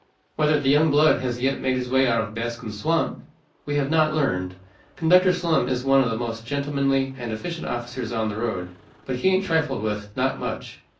Whether the young blood has yet made his way out of Bascom's swamp, we have not learned. Conductor Slum is one of the most gentlemanly and efficient officers on the road; but he ain't trifled with, not much.